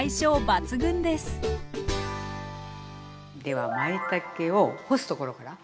ではまいたけを干すところから。